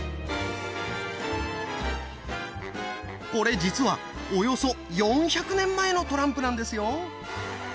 これ実はおよそ４００年前のトランプなんですよ。